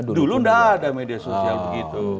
dulu tidak ada media sosial begitu